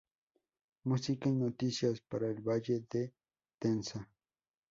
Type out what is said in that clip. Música y noticias para el Valle de Tenza